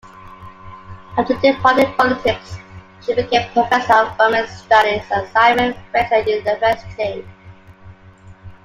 After departing politics, she became a professor of women's studies at Simon Fraser University.